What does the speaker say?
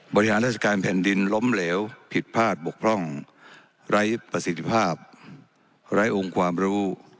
บริหารราชการแผ่นดินล้มเหลวผิดพลาดบกพร่องไร้ประสิทธิภาพไร้องค์ความรู้